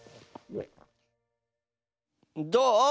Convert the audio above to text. どう？